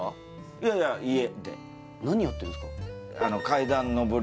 いやいや家で何やってるんですか？